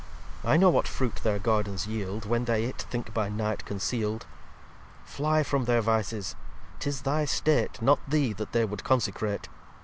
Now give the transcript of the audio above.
I know what Fruit their Gardens yield, When they it think by Night conceal'd. Fly from their Vices. 'Tis thy 'state, Not Thee, that they would consecrate.